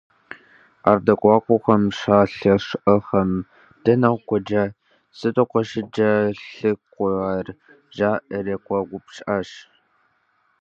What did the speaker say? Ар дыгъуакӀуэхэм щалъэщӀыхьэм: - Дэнэ укъикӀа? сыт укъыщӀыткӀэлъыкӀуэр? – жаӀэри къеупщӀащ.